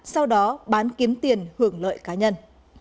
sau đó bán kiếm tiền hưởng lợi cá nhân